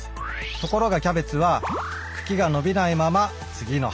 ところがキャベツは茎が伸びないまま次の葉が出ます。